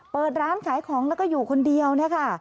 เปิดร้านขายของแล้วก็อยู่คนเดียวเนี่ยค่ะ